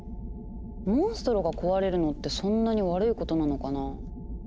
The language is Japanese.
モンストロが壊れるのってそんなに悪いことなのかな？